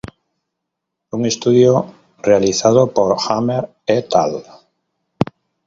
Un estudio realizado por "Hummer, et al.